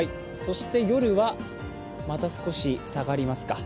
夜はまた少し下がりますか。